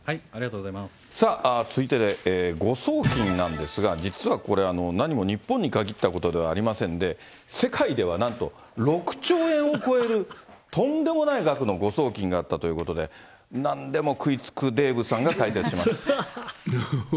さあ、続いて誤送金なんですが、実はこれ、何も日本に限ったことではありませんで、世界ではなんと６兆円を超えるとんでもない額の誤送金があったということで、なんでも食いつくデーブさんが解説します。